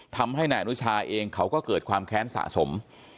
ทำให้นายอนุชาเองเขาก็เกิดความแค้นสะสม